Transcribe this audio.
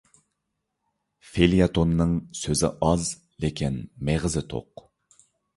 فېليەتوننىڭ سۆزى ئاز، لېكىن مېغىزى توق.